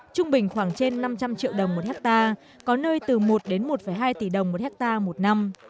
trung bình khoảng trên năm trăm linh triệu đồng một hectare có nơi từ một đến một hai tỷ đồng một hectare một năm